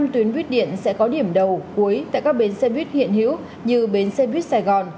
năm tuyến quyết điện sẽ có điểm đầu cuối tại các bến xe quyết hiện hữu như bến xe quyết sài gòn